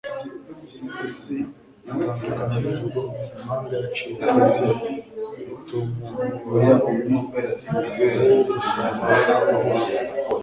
isi itandukana nijuru Imanga yaciye hagati itumumubano wo gusābāna ubura